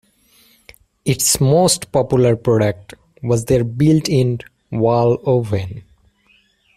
Its most popular product was their built-in wall oven.